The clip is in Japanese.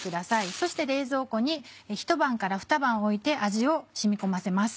そして冷蔵庫にひと晩からふた晩置いて味を染み込ませます。